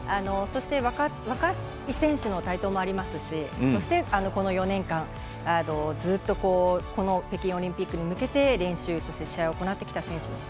若い選手の台頭もありますしそして、この４年間ずっと北京オリンピックに向けて練習、試合を行ってきた選手。